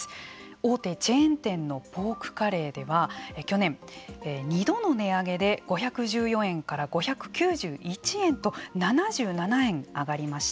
大手チェーン店のポークカレーでは去年、２度の値上げで５１４円から５９１円と７７円上がりました。